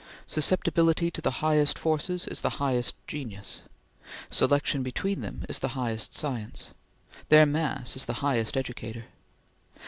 Susceptibility to the highest forces is the highest genius; selection between them is the highest science; their mass is the highest educator.